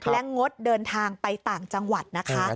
และงดเดินทางไปต่างจังหวัดนะคะ